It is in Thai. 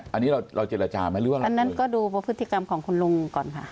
อันนี้เราเราเจรจาไหมหรือว่าอะไรอันนั้นก็ดูพฤติกรรมของคุณลุงก่อนค่ะ